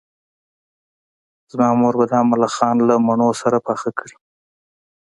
زما مور به دا ملخان له مڼو سره پاخه کړي